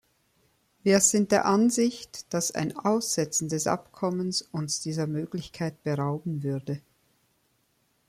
Wir sind der Ansicht, dass ein Aussetzen des Abkommens uns dieser Möglichkeit berauben würde.